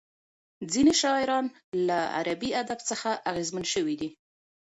ځینې شاعران له عربي ادب څخه اغېزمن شوي دي.